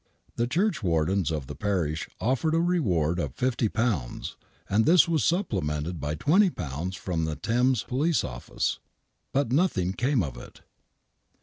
The churchwardens of the parish offered a reward of £50, and this was supplemented by £20 from the Thames Police Office, but nothing came of it.